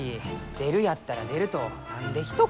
出るやったら出ると何でひと言。